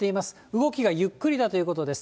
動きがゆっくりだということです。